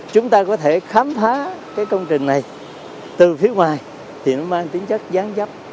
chúng ta có thể khám phá cái công trình này từ phía ngoài thì nó mang tính chất gián dấp